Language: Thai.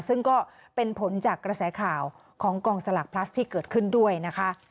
ซึ่งก็เป็นผลจากกระแสข่าวของกองสลักพลัสที่เกิดขึ้นด้วยนะคะ